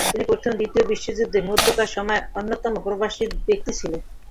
তিনি প্রথম ও দ্বিতীয় বিশ্বযুদ্ধের মধ্যকার সময়ে অন্যতম প্রবাসী ব্যক্তি ছিলেন।